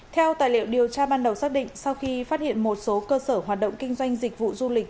theo tài liệu điều tra ban đầu xác định sau khi phát hiện một số cơ sở hoạt động kinh doanh dịch vụ du lịch